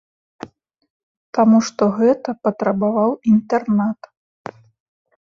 Таму што гэта патрабаваў інтэрнат.